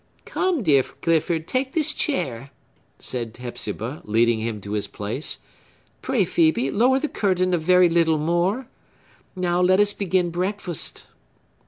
"Come, dear Clifford, take this chair," said Hepzibah, leading him to his place. "Pray, Phœbe, lower the curtain a very little more. Now let us begin breakfast."